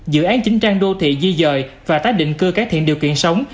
dự án chính trang đô thị di dời và tác định cư các thiện điều kiện sống